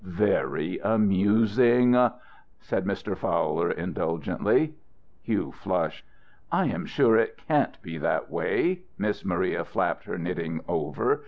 "Very amusing," said Mr. Fowler, indulgently. Hugh flushed. "I am sure it can't be that way." Miss Maria flapped her knitting over.